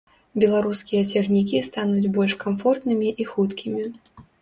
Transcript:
Беларускія цягнікі стануць больш камфортнымі і хуткімі.